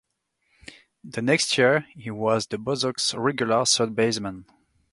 The next year he was the Bosox' regular third baseman.